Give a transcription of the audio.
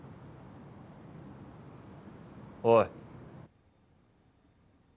おい。